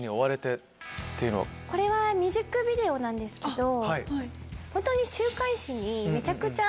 これはミュージックビデオなんですけどホントに。